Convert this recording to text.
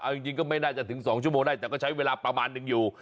เอาจริงก็ไม่น่าจะถึง๒ชั่วโมงได้แต่ก็ใช้เวลาประมาณนึงอยู่